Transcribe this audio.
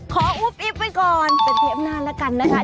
อุ๊บอิ๊บไว้ก่อนเป็นเทปหน้าแล้วกันนะคะ